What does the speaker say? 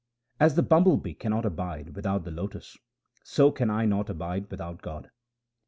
As the bumble bee cannot abide without the lotus, so can I not abide without God.